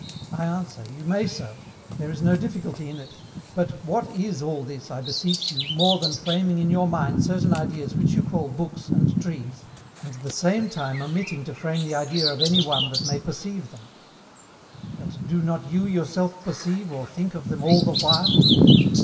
I answer, you may so, there is no difficulty in it; but what is all this, I beseech you, more than framing in your mind certain ideas which you call BOOKS and TREES, and the same time omitting to frame the idea of any one that may perceive them? BUT DO NOT YOU YOURSELF PERCEIVE OR THINK OF THEM ALL THE WHILE?